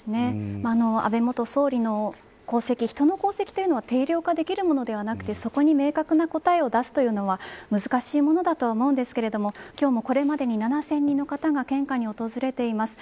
安倍元総理の功績人の功績というのは定量化できるものではなくてそこに明確な答えを出すのは難しいものだと思いますが今日もこれまでに７０００人の方が献花に訪れています。